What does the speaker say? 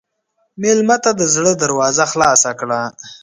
مېلمه ته د زړه دروازه خلاصه کړه.